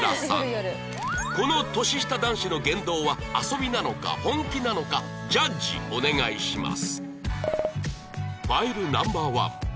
この年下男子の言動は遊びなのか本気なのかジャッジお願いします